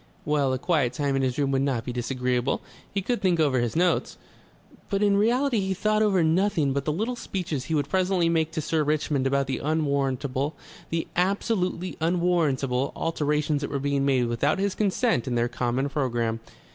Well, a quiet time in his room would not be disagreeable. He could think over his notes.... But in reality he thought over nothing but the little speeches he would presently make to Sir Richmond about the unwarrantable, the absolutely unwarrantable, alterations that were being made without his consent in their common programme....